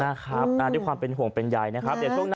นะครับด้วยความเป็นห่วงเป็นใยนะครับ